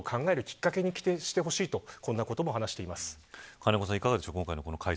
金子さん、いかがですか。